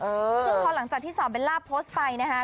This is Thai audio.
ซึ่งพอหลังจากที่สาวเบลล่าโพสต์ไปนะคะ